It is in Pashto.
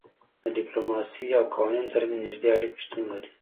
د ډیپلوماسي او قوانینو ترمنځ نږدې اړیکه شتون لري